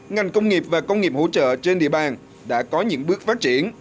ngành công nghiệp và công nghiệp hỗ trợ trên địa bàn đã có những bước phát triển